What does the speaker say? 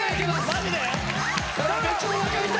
マジで？